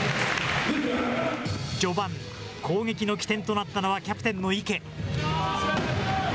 序盤、攻撃の起点となったのは、キャプテンの池。